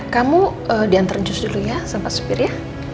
kamu diantar enjus dulu ya sama pak supir ya